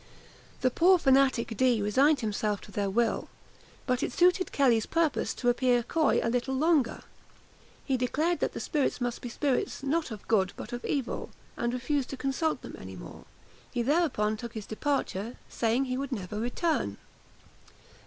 The poor fanatic Dee resigned himself to their will; but it suited Kelly's purpose to appear coy a little longer. He declared that the spirits must be spirits not of good, but of evil; and refused to consult them any more. He thereupon took his departure, saying that he would never return.